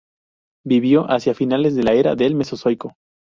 Vivió hacia finales de la era del Mesozoico.